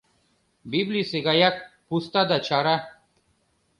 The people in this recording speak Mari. — Библийысе гаяк: пуста да чара.